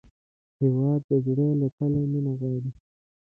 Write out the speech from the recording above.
هېواد د زړه له تله مینه غواړي.